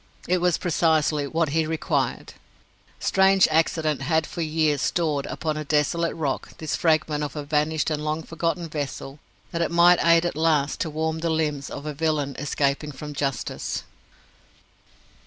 It was precisely what he required. Strange accident that had for years stored, upon a desolate rock, this fragment of a vanished and long forgotten vessel, that it might aid at last to warm the limbs of a villain escaping from justice!